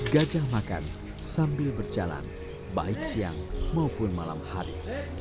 gajah makan sambil berjalan baik siang maupun malam hari